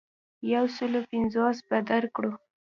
یو سلو پنځوس به درکړو.